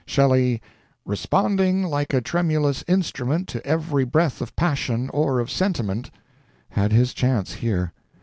Shelley, "responding like a tremulous instrument to every breath of passion or of sentiment," had his chance here.